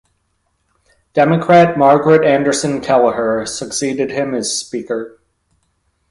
Democrat Margaret Anderson Kelliher succeeded him as Speaker.